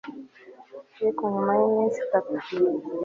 Ariko nyuma y iminsi itatu